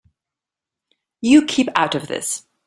You keep out of this.